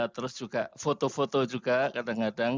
terus juga foto foto juga kadang kadang